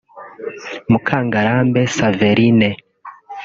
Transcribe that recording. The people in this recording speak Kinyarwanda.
Mukangarambe Xaverine